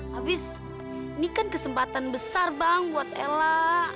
habis ini kan kesempatan besar bang buat ella